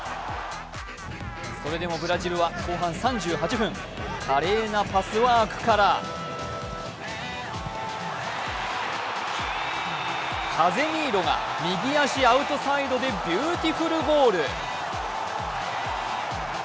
それでもブラジルは後半３８分、華麗なパスワークからカゼミートが右足アウトサイドでビューティフルゴール。